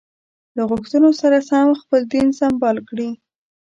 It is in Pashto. له غوښتنو سره سم خپل دین سمبال کړي.